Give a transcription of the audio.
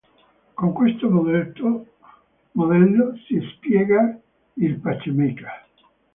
Con questo modello si spiega il pacemaker.